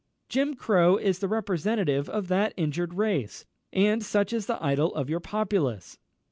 Jim Crow is the representative of that injured race, and as such is the idol of your populace!